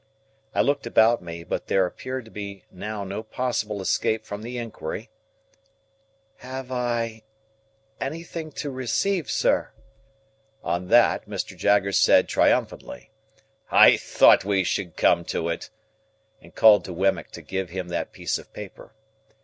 I looked about me, but there appeared to be now no possible escape from the inquiry, "Have I—anything to receive, sir?" On that, Mr. Jaggers said, triumphantly, "I thought we should come to it!" and called to Wemmick to give him that piece of paper.